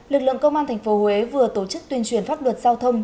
lực lượng công an tp huế vừa tổ chức tuyên truyền pháp luật giao thông